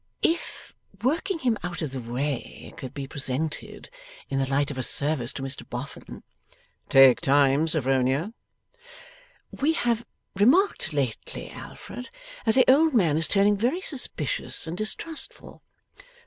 'If working him out of the way could be presented in the light of a service to Mr Boffin?' 'Take time, Sophronia.' 'We have remarked lately, Alfred, that the old man is turning very suspicious and distrustful.